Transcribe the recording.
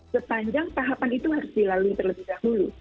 sepanjang tahapan itu harus dilalui terlebih dahulu